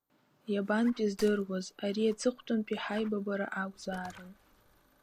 Иабантәи здыруаз, ари аҵыхәтәантәи ҳаибабара акәзаарын.